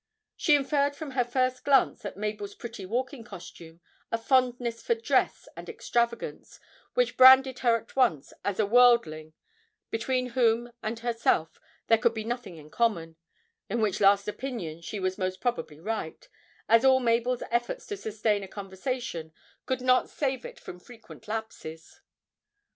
She inferred from her first glance at Mabel's pretty walking costume a fondness for dress and extravagance, which branded her at once as a 'worldling,' between whom and herself there could be nothing in common in which last opinion she was most probably right, as all Mabel's efforts to sustain a conversation could not save it from frequent lapses.